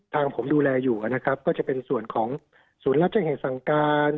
ทางผมดูแลอยู่นะครับก็จะเป็นส่วนของศูนย์รับแจ้งเหตุสั่งการ